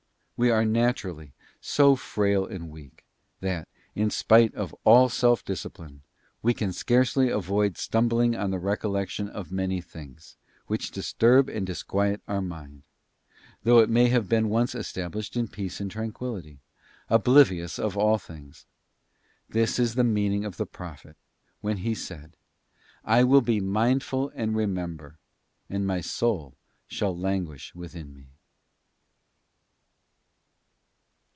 We are naturally so frail and weak, that, in spite of all self discipline, we can scarcely avoid stumbling on the recollection of many things, which disturb and dis quiet our mind; though it may have been once established in peace and tranquillity, oblivious of all things. This is the meaning of the Prophet when he said, 'I will be mindful and remember, and my soul shall languish within me.